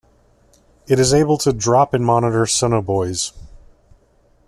It is able to drop and monitor sonobuoys.